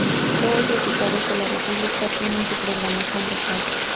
Todos los estados de la república tienen su programación local.